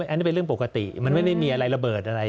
อันนี้เป็นเรื่องปกติมันไม่ได้มีอะไรระเบิดอะไร